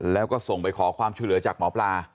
แล้วก็ส่งไปขอความช่วยเหลือจากหมอปลา